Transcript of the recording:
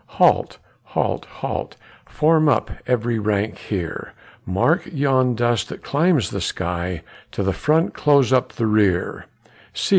Halt! halt! halt! form every rank here; Mark yon dust that climbs the sky, To the front close up the long rear, See!